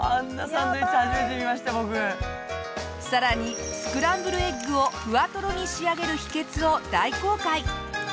さらにスクランブルエッグをふわトロに仕上げる秘訣を大公開。